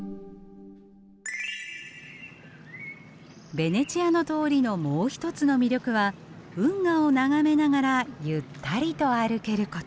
ベネチアの通りのもう一つの魅力は運河を眺めながらゆったりと歩けること。